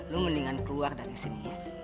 lo mendingan keluar dari sini ya